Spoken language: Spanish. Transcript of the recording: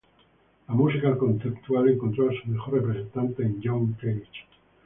La música conceptual encontró a su mejor representante en John Cage.